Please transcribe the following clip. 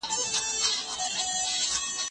کېدای سي پاکوالی کمزوری وي؟